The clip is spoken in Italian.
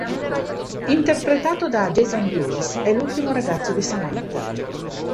Interpretato da Jason Lewis, è l'ultimo ragazzo di Samantha.